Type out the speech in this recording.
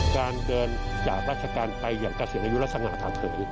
การเดินจากราชการไปอย่างเกษียณอายุลักษณะธรรมตุ๋ย